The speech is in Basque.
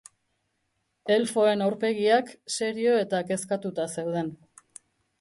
Elfoen aurpegiak serio eta kezkatuta zeuden.